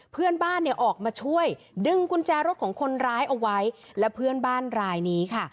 เพื่อนบ้านเนี่ยออกมาช่วยดึงกุญแจรถของคนร้ายเอาไว้และเพื่อนบ้านรายนี้ค่ะ